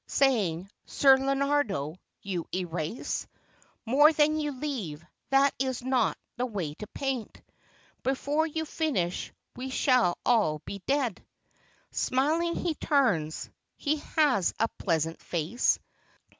Saying, "Ser Leonardo, you erase More than you leave, — that's not the way to paint; Before you finish we shall all be dead"; Smiling he turns (he has a pleasant face.